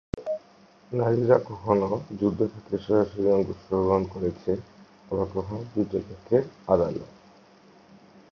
নারীরা কখনো যুদ্ধক্ষেত্রে সরাসরি অংশগ্রহণ করেছে আবার কখনো যুদ্ধেক্ষেত্রের আড়ালে।